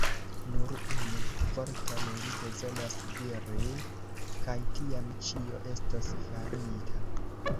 Nur unu vorton li bezonas diri, kaj tiam ĉio estos farita.